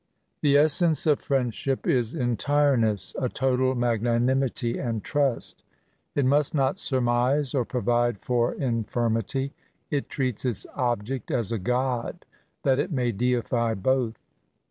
" The encnee of frtendahip is entlrenMS ;> total magnftnlmttj and trmt* It most not suimiae or pioyide for inflnnity. It treat! Its oliieet as a god, that it may deify both."